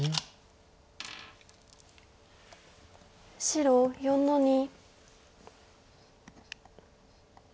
白４の二。